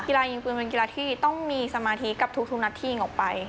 กีฬายิงปืนเป็นกีฬาที่ต้องมีสมาธิกับทุกนัดที่ยิงออกไป